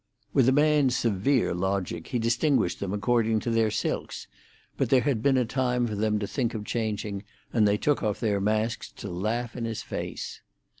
With a man's severe logic he distinguished them according to their silks, but there had been time for them to think of changing, and they took off their masks to laugh in his face.